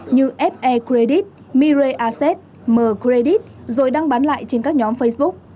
như fe credit mire asset mer credit rồi đăng bán lại trên các nhóm facebook